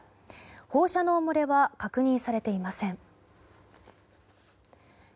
放射能漏れは確認されていません。